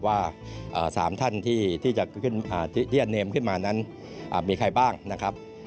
ว่า๓ท่านที่จะขึ้นเนมขึ้นมานั้นมีใครบ้างนะครับ